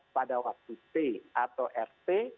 pada waktu t atau rt